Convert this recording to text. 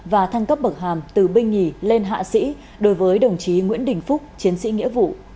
và thăng cấp bậc hàm từ binh nhì lên hạ sĩ đối với đồng chí nguyễn đình phúc chiến sĩ nghĩa vụ